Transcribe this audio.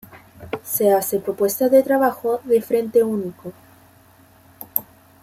Se hace propuesta de trabajo de frente único.